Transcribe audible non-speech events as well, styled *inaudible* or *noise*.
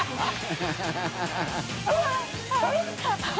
ハハハ *laughs*